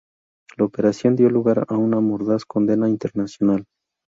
La operación dio lugar a una mordaz condena internacional.